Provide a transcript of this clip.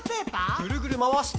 ぐるぐるまわして。